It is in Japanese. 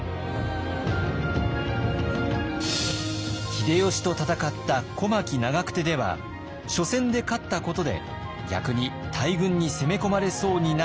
秀吉と戦った小牧・長久手では初戦で勝ったことで逆に大軍に攻め込まれそうになり。